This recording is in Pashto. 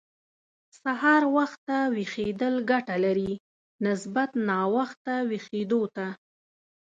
سهار وخته ويښېدل ګټه لري، نسبت ناوخته ويښېدو ته.